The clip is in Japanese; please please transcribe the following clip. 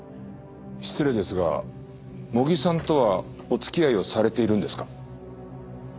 失礼ですが茂木さんとはお付き合いをされているんですか？